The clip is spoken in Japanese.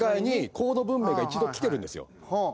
高度文明が一度来てるんですよ。